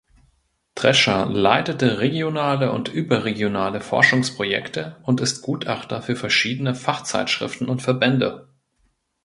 Trescher leitete regionale und überregionale Forschungsprojekte und ist Gutachter für verschiedene Fachzeitschriften und Verbände.